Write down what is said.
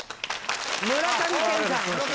村上健さん。